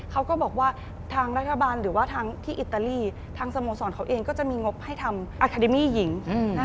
เขาก็บอกว่าทางรัฐบาลหรือว่าทางที่อิตาลีทางสโมสรเขาเองก็จะมีงบให้ทำอาคาเดมี่หญิง